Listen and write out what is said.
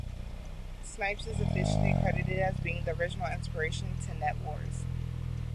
Snipes is officially credited as being the original inspiration for NetWars.